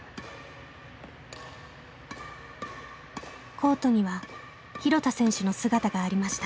コートには廣田選手の姿がありました。